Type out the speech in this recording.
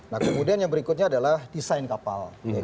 nah kemudian yang berikutnya adalah desain kapal